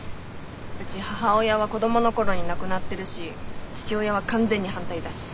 うち母親は子供の頃に亡くなってるし父親は完全に反対だし。